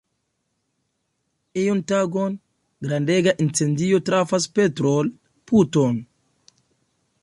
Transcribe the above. Iun tagon, grandega incendio trafas petrol-puton.